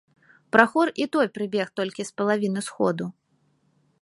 Прахор і той прыбег толькі з палавіны сходу.